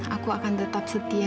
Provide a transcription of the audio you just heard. aku akan tetap setia